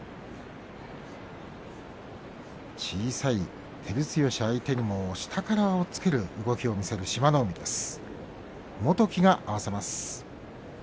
小さい照強相手にも下から押っつける動きを見せる志摩ノ海です。